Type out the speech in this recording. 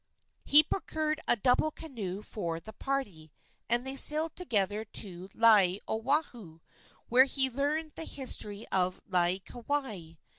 He procured a double canoe for the party, and they sailed together to Laie, Oahu, where he learned the history of Laieikawai.